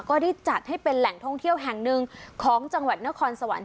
ก็ได้จัดให้เป็นแหล่งท่องเที่ยวแห่งหนึ่งของจังหวัดนครสวรรค์